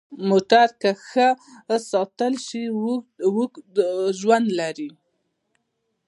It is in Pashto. موټر که ښه ساتل شي، اوږد ژوند لري.